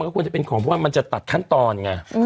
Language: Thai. ก็ควรเป็นของเพราะมันจะตัดทั้งตอน